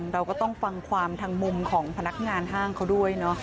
เราก็ต้องฟังความทางมุมของพนักงานห้างเขาด้วยเนาะ